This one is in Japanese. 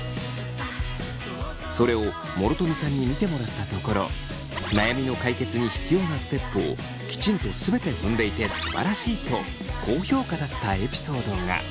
それを諸富さんに見てもらったところ悩みの解決に必要なステップをきちんと全て踏んでいてすばらしいと高評価だったエピソードが。